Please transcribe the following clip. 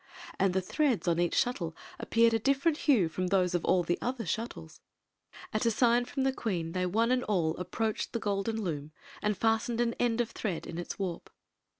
And the threads on each shuttle appeared a diifaf^t liue firom those of all the other shutdes. At a «gn '1ix>m the queen they one and all approached the golden loom and fastened an end of thread in its warp.